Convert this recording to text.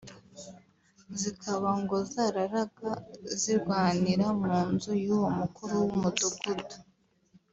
zikaba ngo zarararaga zirwanira mu nzu y’uwo mukuru w’umudugudu